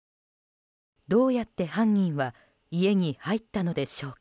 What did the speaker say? どうやって犯人は家に入ったのでしょうか。